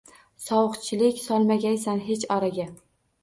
Sovuqchilik solmagaysan hech oraga.